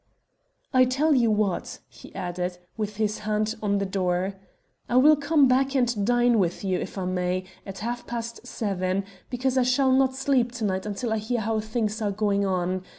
"I tell you what," he added, with his hand on the door, "I will come back and dine with you, if I may, at half past seven, because I shall not sleep to night until I hear how things are going on.